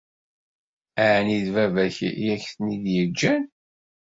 Ɛni d baba-k i ak-ten-id-yeǧǧan?